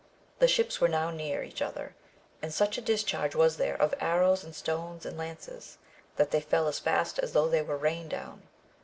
The ships were now near each other, and such a dis charge was there, of arrows and stones and lances, that they fell as fast as though they were rained down.